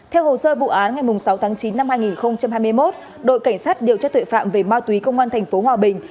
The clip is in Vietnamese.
theo hồ sơ vụ án ngày sáu tháng chín năm hai nghìn hai mươi một đội cảnh sát điều tra tuệ phạm về ma túy công an tp hòa bình